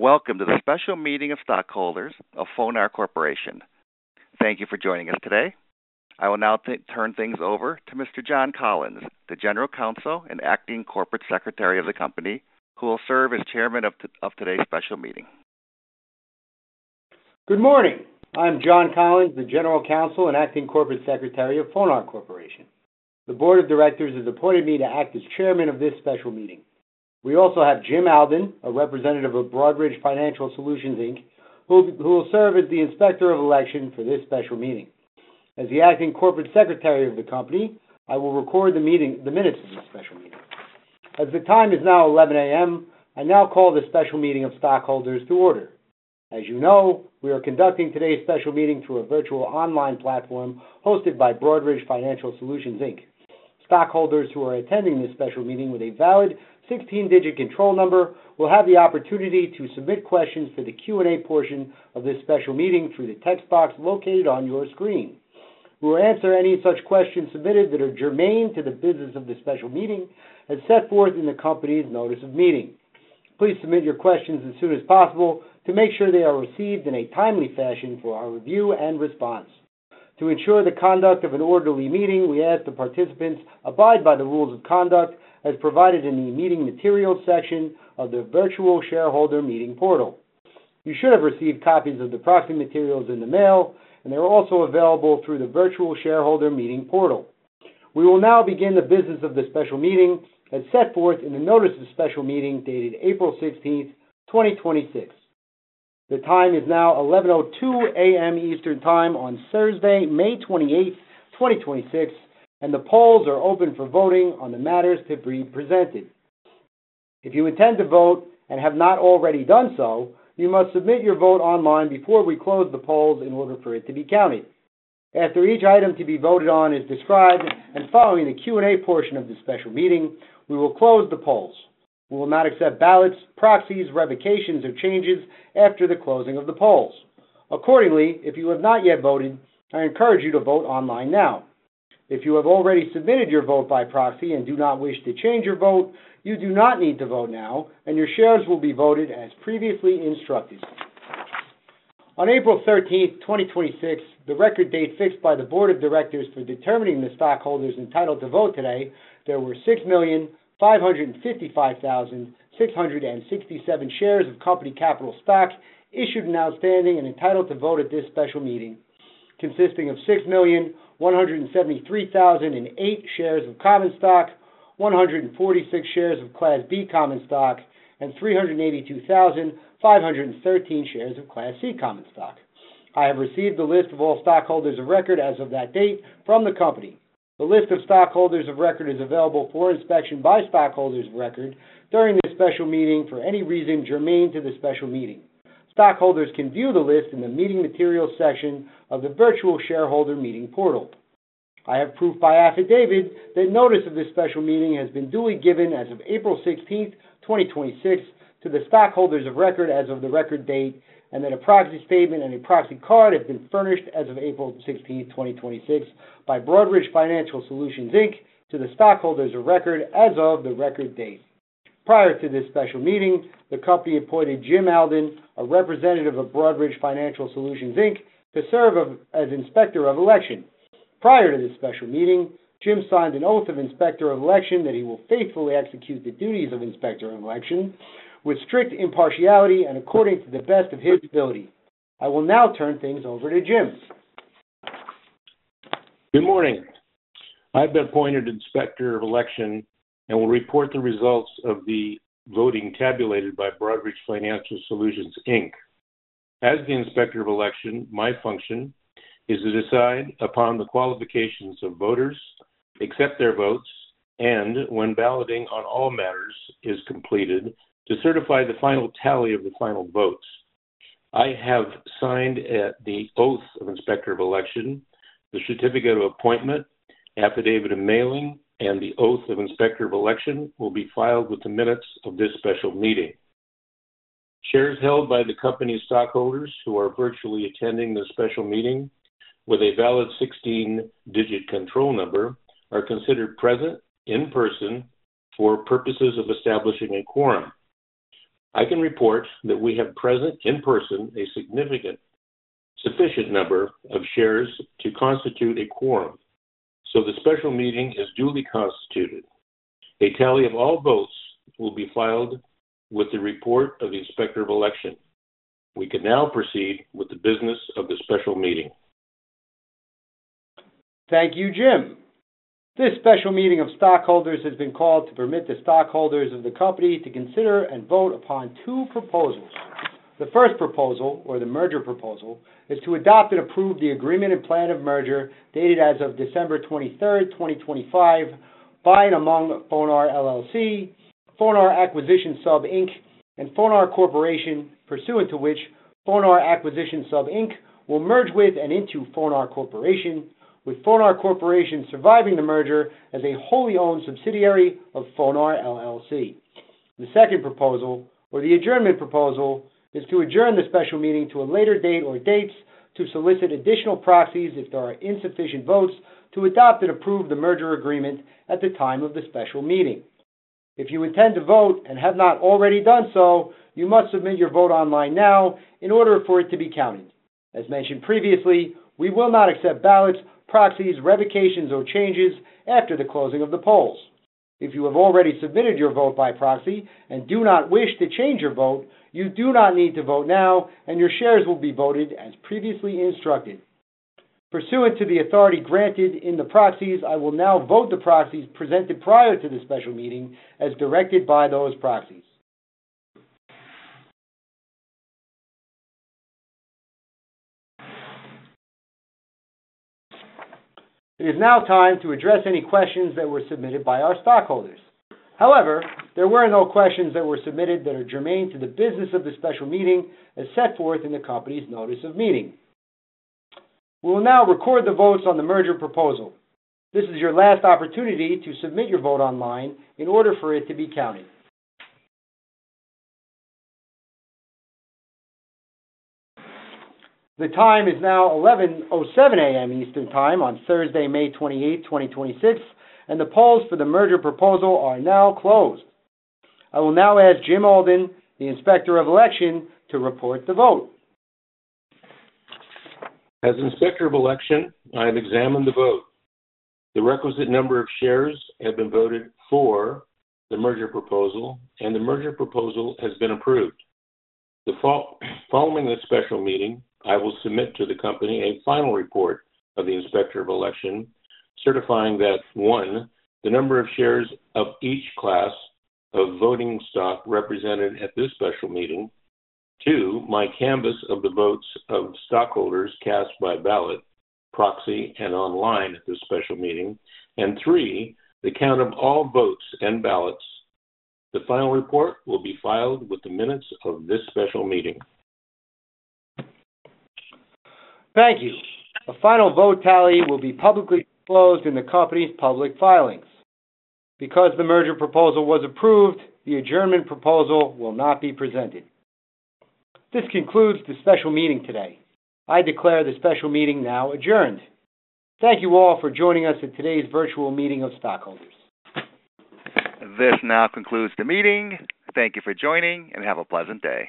Welcome to the special meeting of stockholders of FONAR Corporation. Thank you for joining us today. I will now turn things over to Mr. John Collins, the General Counsel and Acting Corporate Secretary of the company, who will serve as chairman of today's special meeting. Good morning. I'm John Collins, the General Counsel and Acting Corporate Secretary of FONAR Corporation. The Board of Directors has appointed me to act as chairman of this special meeting. We also have Jim Alden, a representative of Broadridge Financial Solutions, Inc., who will serve as the Inspector of Election for this special meeting. As the acting corporate secretary of the company, I will record the minutes of this special meeting. As the time is now 11:00 A.M., I now call the special meeting of stockholders to order. As you know, we are conducting today's special meeting through a virtual online platform hosted by Broadridge Financial Solutions, Inc. Stockholders who are attending this special meeting with a valid 16-digit control number will have the opportunity to submit questions for the Q&A portion of this special meeting through the text box located on your screen. We will answer any such questions submitted that are germane to the business of this special meeting, as set forth in the company's notice of meeting. Please submit your questions as soon as possible to make sure they are received in a timely fashion for our review and response. To ensure the conduct of an orderly meeting, we ask the participants abide by the rules of conduct as provided in the meeting materials section of the virtual shareholder meeting portal. You should have received copies of the proxy materials in the mail, and they're also available through the virtual shareholder meeting portal. We will now begin the business of the special meeting as set forth in the notice of special meeting dated April 16th, 2026. The time is now 11:02 A.M. Eastern Time on Thursday, May 28th, 2026, and the polls are open for voting on the matters to be presented. If you intend to vote and have not already done so, you must submit your vote online before we close the polls in order for it to be counted. After each item to be voted on is described, and following the Q&A portion of the special meeting, we will close the polls. We will not accept ballots, proxies, revocations, or changes after the closing of the polls. Accordingly, if you have not yet voted, I encourage you to vote online now. If you have already submitted your vote by proxy and do not wish to change your vote, you do not need to vote now, and your shares will be voted as previously instructed. On April 13th, 2026, the record date fixed by the Board of Directors for determining the stockholders entitled to vote today, there were 6,555,667 shares of company capital stock issued and outstanding and entitled to vote at this special meeting, consisting of 6,173,008 shares of common stock, 146 shares of Class B common stock, and 382,513 shares of Class C common stock. I have received the list of all stockholders of record as of that date from the company. The list of stockholders of record is available for inspection by stockholders of record during this special meeting for any reason germane to the special meeting. Stockholders can view the list in the meeting materials section of the virtual shareholder meeting portal. I have proof by affidavit that notice of this special meeting has been duly given as of April 16th, 2026 to the stockholders of record as of the record date, and that a proxy statement and a proxy card have been furnished as of April 16th, 2026, by Broadridge Financial Solutions, Inc. to the stockholders of record as of the record date. Prior to this special meeting, the company appointed Jim Alden, a representative of Broadridge Financial Solutions, Inc., to serve as Inspector of Election. Prior to this special meeting, Jim signed an oath of Inspector of Election that he will faithfully execute the duties of Inspector of Election with strict impartiality and according to the best of his ability. I will now turn things over to Jim. Good morning. I've been appointed Inspector of Election and will report the results of the voting tabulated by Broadridge Financial Solutions, Inc. As the Inspector of Election, my function is to decide upon the qualifications of voters, accept their votes, and when balloting on all matters is completed, to certify the final tally of the final votes. I have signed the oath of Inspector of Election. The certificate of appointment, affidavit of mailing, and the oath of Inspector of Election will be filed with the minutes of this special meeting. Shares held by the company stockholders who are virtually attending the special meeting with a valid 16-digit control number are considered present in person for purposes of establishing a quorum. I can report that we have present in person a sufficient number of shares to constitute a quorum, so the special meeting is duly constituted. A tally of all votes will be filed with the report of the Inspector of Election. We can now proceed with the business of the special meeting. Thank you, Jim. This special meeting of stockholders has been called to permit the stockholders of the company to consider and vote upon two proposals. The first proposal, or the merger proposal, is to adopt and approve the Agreement and Plan of Merger dated as of December 23rd, 2025, by and among FONAR LLC, FONAR Acquisition Sub, Inc., and FONAR Corporation, pursuant to which FONAR Acquisition Sub, Inc. will merge with and into FONAR Corporation, with FONAR Corporation surviving the merger as a wholly owned subsidiary of FONAR, LLC. The second proposal, or the adjournment proposal, is to adjourn the special meeting to a later date or dates to solicit additional proxies if there are insufficient votes to adopt and approve the merger agreement at the time of the special meeting. If you intend to vote and have not already done so, you must submit your vote online now in order for it to be counted. As mentioned previously, we will not accept ballots, proxies, revocations, or changes after the closing of the polls. If you have already submitted your vote by proxy and do not wish to change your vote, you do not need to vote now, and your shares will be voted as previously instructed. Pursuant to the authority granted in the proxies, I will now vote the proxies presented prior to the special meeting as directed by those proxies. It is now time to address any questions that were submitted by our stockholders. However, there were no questions that were submitted that are germane to the business of the special meeting as set forth in the company's notice of meeting. We will now record the votes on the merger proposal. This is your last opportunity to submit your vote online in order for it to be counted. The time is now 11:07 A.M. Eastern Time on Thursday, May 28, 2026, and the polls for the merger proposal are now closed. I will now ask Jim Alden, the Inspector of Election, to report the vote. As Inspector of Election, I have examined the vote. The requisite number of shares have been voted for the merger proposal, and the merger proposal has been approved. Following this special meeting, I will submit to the company a final report of the Inspector of Election, certifying that, one, the number of shares of each class of voting stock represented at this special meeting. Two, my canvas of the votes of stockholders cast by ballot, proxy, and online at this special meeting. Three, the count of all votes and ballots. The final report will be filed with the minutes of this special meeting. Thank you. A final vote tally will be publicly disclosed in the company's public filings. Because the merger proposal was approved, the adjournment proposal will not be presented. This concludes the special meeting today. I declare the special meeting now adjourned. Thank you all for joining us in today's virtual meeting of stockholders. This now concludes the meeting. Thank you for joining, and have a pleasant day.